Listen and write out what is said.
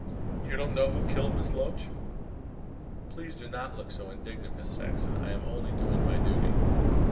"You don't know who killed Miss Loach? Please do not look so indignant, Miss Saxon. I am only doing my duty."